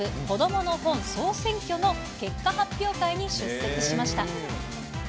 こどもの本総選挙の結果発表会に出席しました。